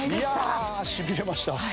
いやしびれました。